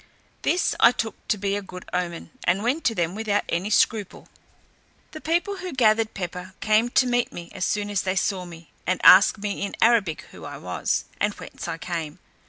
This I took to be a good omen, and went to them without any scruple. The people who gathered pepper came to meet me as soon as they saw me, and asked me in Arabic who I was, and whence I came?